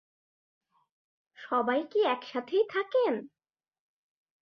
সবাই কি একসাথেই থাকেন?